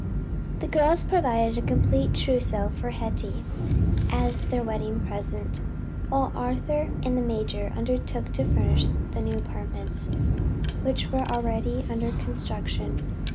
The girls provided a complete trousseau for Hetty, as their wedding present, while Arthur and the major undertook to furnish the new apartments, which were already under construction.